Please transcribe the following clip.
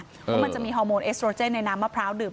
เพราะมันจะมีฮอร์โมนเอสโตรเจนในน้ำมะพร้าวดื่ม